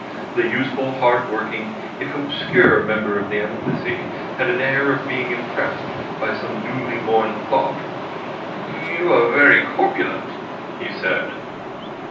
The useful, hard working, if obscure member of the Embassy had an air of being impressed by some newly born thought. "You are very corpulent," he said.